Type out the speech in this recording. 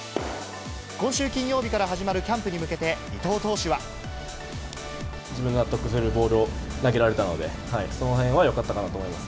今週金曜日から始まるキャンプに向けて、伊藤投手は。自分が納得するボールを投げられたので、そのへんはよかったかなと思います。